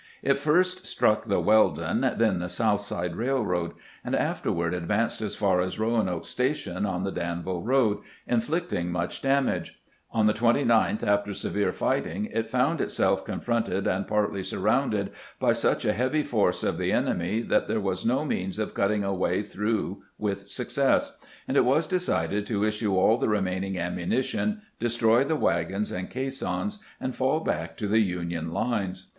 It first struck the "Weldon, then the South Side Eailroad, and afterward advanced as far as Eoanoke Station on the Danville road, inflicting much damage. On the 29th, after severe fighting, it found itself confronted and partly surrounded by such a heavy force of the enemy that there was no means of cutting a way through with success ; and it was decided to issue all the remaining ammunition, destroy the wagons and caissons, and fall back to the Union lines.